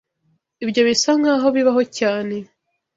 Ibyo bisa nkaho bibaho cyane.